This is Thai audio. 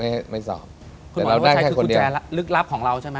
แต่เราได้แค่คนเดียวคุณหมอทวชัยคือกุญแจลึกลับของเราใช่มั้ย